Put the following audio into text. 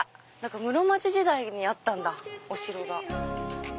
室町時代にあったんだお城が。